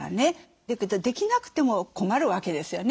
だけどできなくても困るわけですよね。